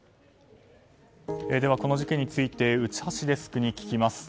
この事件について内橋デスクに聞きます。